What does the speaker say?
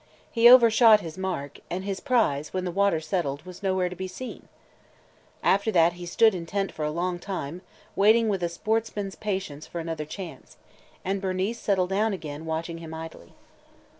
He overshot his mark, and his prize, when the water settled, was nowhere to be seen. After that he stood intent for a long time, waiting with sportsman's patience for another chance, and Bernice settled down again, watching him idly.